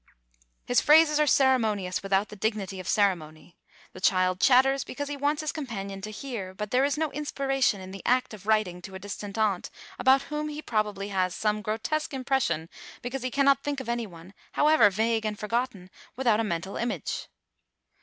His phrases are ceremonious without the dignity of ceremony. The child chatters because he wants his companion to hear; but there is no inspiration in the act of writing to a distant aunt about whom he probably has some grotesque impression because he cannot think of anyone, however vague and forgotten, without a mental image.